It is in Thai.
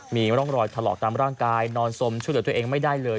มีร่องรอยถลอกตามร่างกายนอนสมช่วยเหลือตัวเองไม่ได้เลย